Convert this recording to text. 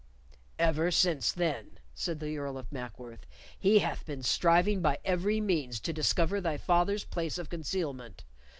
"Ever since then," said the Earl of Mackworth "he hath been striving by every means to discover thy father's place of concealment.